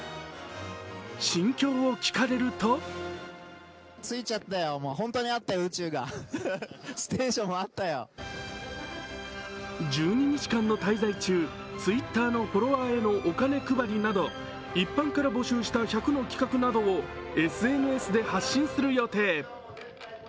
心境を聞かれると１２日間の滞在中、Ｔｗｉｔｔｅｒのフォロワーへのお金配りなど一般から募集した１００の企画などをＳＮＳで発信する予定。